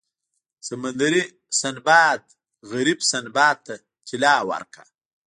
سمندري سنباد غریب سنباد ته طلا ورکړه.